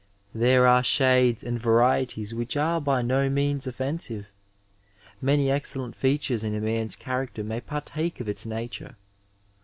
There are shades and varieties which are by no means offensive. Many excellent features in a man's character may partake of its nature.